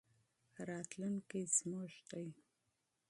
راتلونکی زموږ دی.